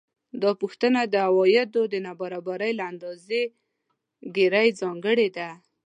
دا پوښتنه د عوایدو د نابرابرۍ له اندازه ګیرۍ ځانګړې ده